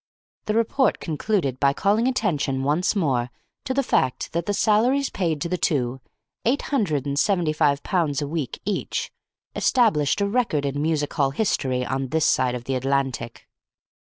The report concluded by calling attention once more to the fact that the salaries paid to the two eight hundred and seventy five pounds a week each established a record in music hall history on this side of the Atlantic.